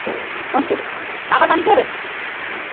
County ক্রিকেটে ডারহামের পক্ষে খেলছেন তিনি।